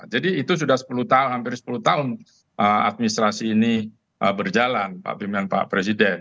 jadi itu sudah sepuluh tahun hampir sepuluh tahun administrasi ini berjalan pak bimbingan pak presiden